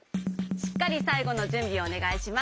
しっかりさいごのじゅんびをおねがいします！